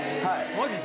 マジで？